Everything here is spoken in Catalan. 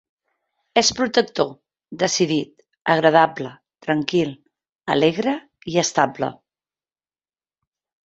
És protector, decidit, agradable, tranquil, alegre i estable.